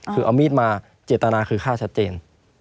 คือเอามีดมาเจตนาคือฆ่าชัดเจน